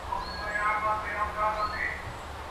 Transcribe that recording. اى کاڼئ، درزى کاڼئ، زما واده پيداکئ، په داغه گړي ئې راکئ.